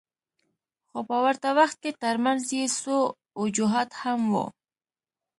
خو په ورته وخت کې ترمنځ یې څو وجوهات هم وو.